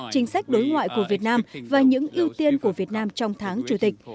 chính sách đối ngoại của việt nam và những ưu tiên của việt nam trong tháng chủ tịch